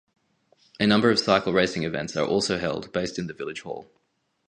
A number of cycle racing events are also held, based in the village hall.